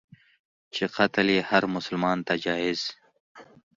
چي قتل یې هرمسلمان ته جایز.